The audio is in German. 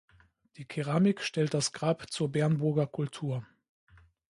Die Keramik stellt das Grab zur Bernburger Kultur.